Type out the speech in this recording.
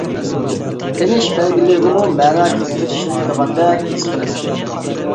تىنىش بەلگىلىرىگىمۇ مەنە كىرگۈزۈپ ئىشلىتىدىغاندەك ھېس قىلىمەن.